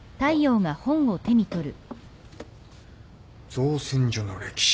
『造船所の歴史』